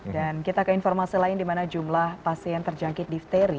dan kita ke informasi lain di mana jumlah pasien terjangkit difteri